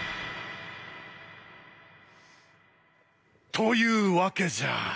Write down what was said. というわけじゃ。